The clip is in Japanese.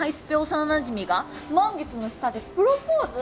幼なじみが満月の下でプロポーズ！？